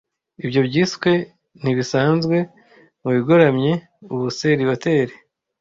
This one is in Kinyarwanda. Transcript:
Ibyo byiswe Ntibisanzwe mubigoramye Ubuseribateri